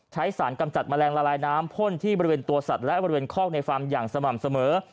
ใช้สารกำจัดแมลงละลายน้ำพ่นที่บริเวณตัวสัตว์และบริเวณคอกในฟาร์มอย่างสม่ำเสมอ